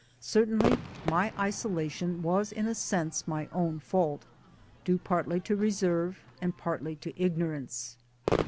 Certainly my isolation was in a sense my own fault due partly to reserve and partly to ignorance.